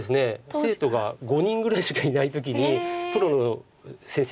生徒が５人ぐらいしかいない時にプロの先生